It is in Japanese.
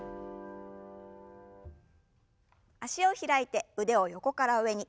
脚を開いて腕を横から上に。